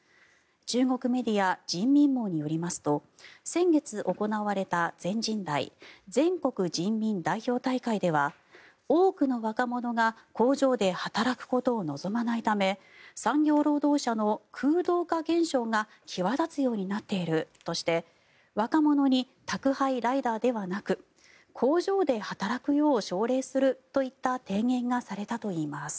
中国メディア人民網によりますと先月行われた全人代・全国人民代表大会では多くの若者が工場で働くことを望まないため産業労働者の空洞化現象が際立つようになっているとして若者に宅配ライダーではなく工場で働くよう奨励するといった提言がされたといいます。